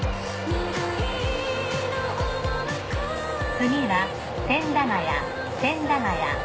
次は千駄ケ谷千駄ケ谷。